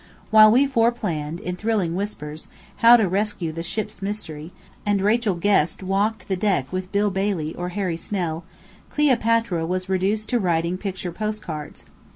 While we four planned, in thrilling whispers, how to rescue the "Ship's Mystery," and Rachel Guest walked the deck with Bill Bailey or Harry Snell, Cleopatra was reduced to writing picture post cards.